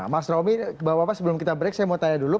mas romi bapak bapak sebelum kita break saya mau tanya dulu